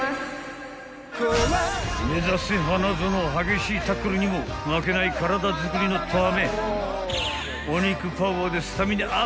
［目指せ花園激しいタックルにも負けない体づくりのため］